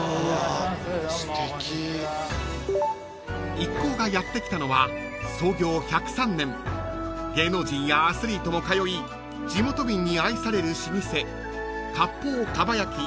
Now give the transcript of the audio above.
［一行がやって来たのは創業１０３年芸能人やアスリートも通い地元民に愛される老舗］